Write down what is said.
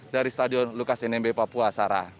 dari stadion lukas nmb papua sarah